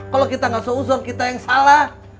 kalau kita gak seusur kita yang salah